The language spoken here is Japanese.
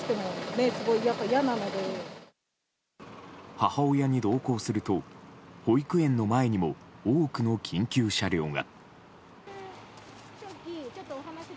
母親に同行すると保育園の前にも多くの緊急車両が。